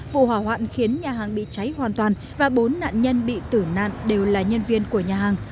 vụ hỏa hoạn khiến nhà hàng bị cháy hoàn toàn và bốn nạn nhân bị tử nạn đều là nhân viên của nhà hàng